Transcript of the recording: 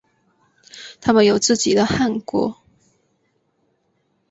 他们有自己的汗国。